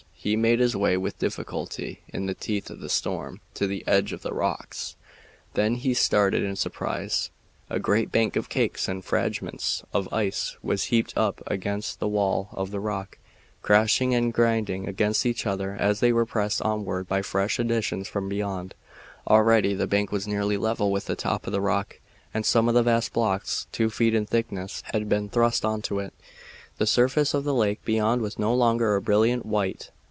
He made his way with difficulty in the teeth of the storm to the edge of the rocks. Then he started in surprise. A great bank of cakes and fragments of ice was heaped up against the wall of the rock, crashing and grinding against each other as they were pressed onward by fresh additions from beyond. Already the bank was nearly level with the top of the rock, and some of the vast blocks, two feet in thickness, had been thrust on to it. The surface of the lake beyond was no longer a brilliant white.